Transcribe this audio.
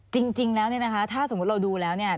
จริงแล้วเนี่ยนะคะถ้าสมมุติเราดูแล้วเนี่ย